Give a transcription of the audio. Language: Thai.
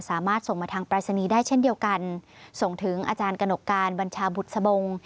สามารถส่งมาทางปรายศนีย์ได้เช่นเดียวกันส่งถึงอาจารย์กระหนกการบัญชาบุษบง